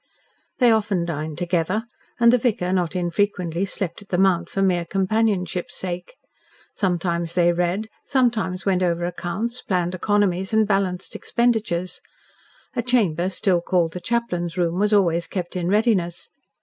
They often dined together, and the vicar not infrequently slept at the Mount for mere companionship's sake. Sometimes they read, sometimes went over accounts, planned economies, and balanced expenditures. A chamber still called the Chaplain's room was always kept in readiness.